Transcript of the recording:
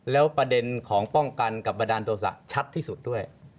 แล้วประเด็นของป้องกันกับบันดาลโทษะชัดที่สุดด้วย